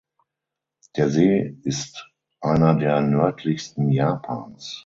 Der See ist einer der nördlichsten Japans.